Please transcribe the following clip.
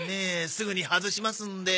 すぐに外しますんで。